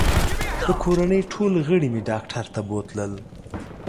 د کورنۍ ټول غړي مې ډاکټر ته بوتلل